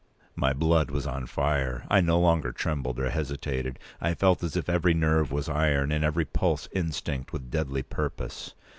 My blood was on fire. I no longer trembled or hesitated. I felt as if every nerve was iron, and every pulse instinct with deadly purpose.